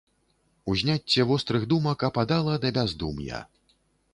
Узняцце вострых думак ападала да бяздум'я.